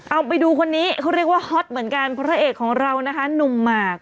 เอาไปดูคนนี้เขาเรียกว่าฮอตเหมือนกันพระเอกของเรานะคะหนุ่มหมาก